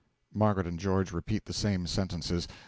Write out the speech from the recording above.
(MARGARET and GEORGE repeat the same sentences.